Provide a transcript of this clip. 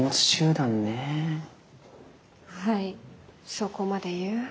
そこまで言う。